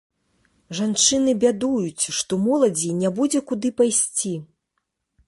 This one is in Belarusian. Жанчыны бядуюць, што моладзі не будзе куды пайсці.